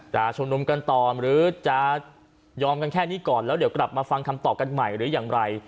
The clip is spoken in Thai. ชุมนุมกันต่อหรือจะยอมกันแค่นี้ก่อนแล้วเดี๋ยวกลับมาฟังคำตอบกันใหม่หรืออย่างไร